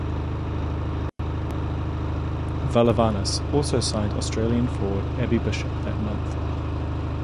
Valavanis also signed Australian forward Abby Bishop that month.